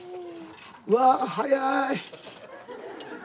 うわ速い。